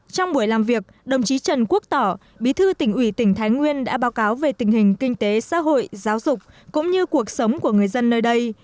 trong buổi làm việc đồng chí trần quốc tỏ bí thư tỉnh ủy tỉnh thái nguyên đã báo cáo về tình hình kinh tế xã hội giáo dục cũng như cuộc sống của người dân nơi đây